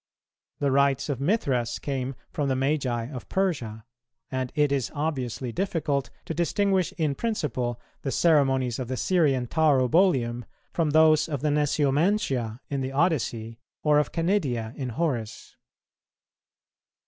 The rites of Mithras came from the Magi of Persia; and it is obviously difficult to distinguish in principle the ceremonies of the Syrian Taurobolium from those of the Necyomantia in the Odyssey, or of Canidia in Horace.